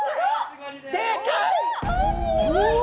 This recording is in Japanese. でかい！